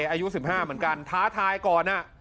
อายุ๑๕เหมือนกันท้าทายก่อน